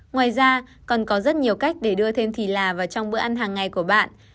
ngoài ra còn có rất nhiều cách để đưa thêm thịt là vào trong bữa ăn hàng ngày của bạn